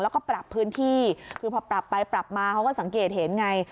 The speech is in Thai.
แล้วก็ปรับพื้นที่คือพอปรับไปปรับมาเขาก็สังเกตเห็นไง